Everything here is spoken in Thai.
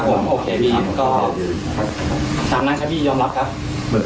แล้วอีกคลิปนึงเปิดปะ